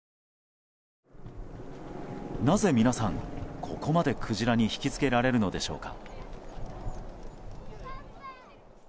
なぜ皆さん、ここまでクジラに引き付けられるのでしょうか。